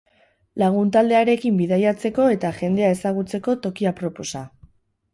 Lagun taldearekin bidaiatzeko eta jendea ezagutzeko toki aproposa.